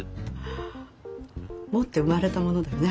持って生まれたものだね